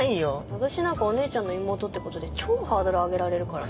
私なんかお姉ちゃんの妹ってことで超ハードル上げられるからね。